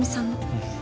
うん。